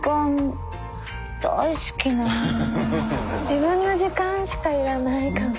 自分の時間しかいらないかも。